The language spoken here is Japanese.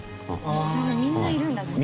みんないるんだずっと。